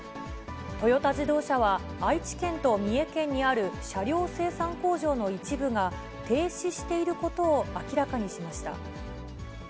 トヨタ自動車は、愛知県と三重県にある車両生産工場の一部が停止していることを明らかにしました。